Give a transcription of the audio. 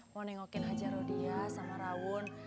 mau nengokin hajar rodia sama rawun